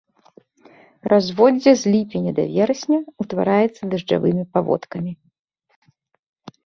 Разводдзе э ліпеня да верасня, утвараецца дажджавымі паводкамі.